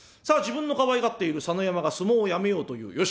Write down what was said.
さあ自分のかわいがっている佐野山が相撲をやめようという。